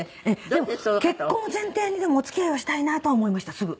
でも結婚を前提にお付き合いはしたいなとは思いましたすぐ。